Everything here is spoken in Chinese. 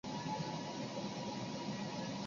加尔拉韦。